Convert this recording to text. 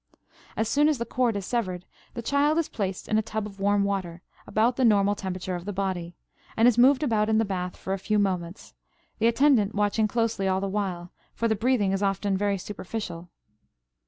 As soon as the cord is severed the child is placed in a tub of warm water, about the normal temperature of the body, and is moved about in the bath for a few moments, the attendant watching closely all the while, for the breathing is often very superficial.